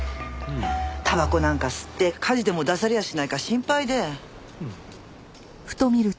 たばこなんか吸って火事でも出されやしないか心配で。